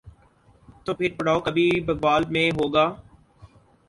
تو پھر پڑاؤ کبھی بھگوال میں ہو گا۔